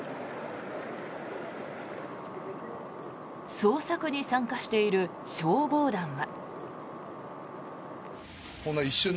捜索に参加している消防団は。